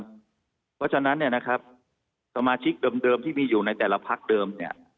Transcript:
เพราะฉะนั้นเนี่ยนะครับสมาชิกเดิมที่มีอยู่ในแต่ละพักเดิมเนี่ย